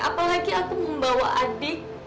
apalagi aku membawa adik